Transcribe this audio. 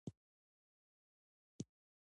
پکتیکا د افغانستان د اقتصاد برخه ده.